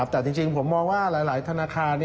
แต่จริงผมมองว่าหลายธนาคาร